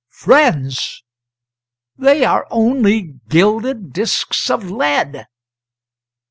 "Friends, they are only gilded disks of lead!"